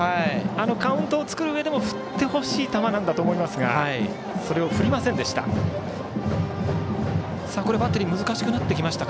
カウントを作るうえでも振ってほしい球なんだと思いますがそれを振りませんでした。